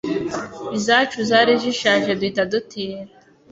izacu zari zishaje duhita dutira